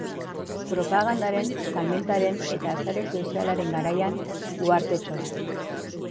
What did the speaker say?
Propagandaren, salmentaren eta sare sozialen garaian, uhartetxo bat.